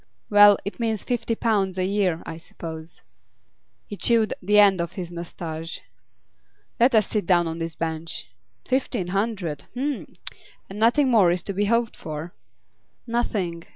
Well, it means fifty pounds a year, I suppose.' He chewed the end of his moustache. 'Let us sit down on this bench. Fifteen hundred h'm! And nothing more is to be hoped for?' 'Nothing.